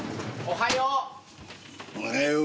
おはよう。